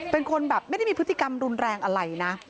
เป็นคนแบบไม่ได้มีพฤติกรรมรุนแรงอะไรนะ